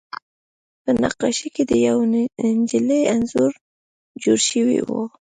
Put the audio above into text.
په نقاشۍ کې د یوې نجلۍ انځور جوړ شوی و